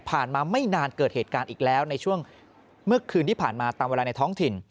มาไม่นานเกิดเหตุการณ์อีกแล้วในช่วงเมื่อคืนที่ผ่านมาตามเวลาในท้องถิ่น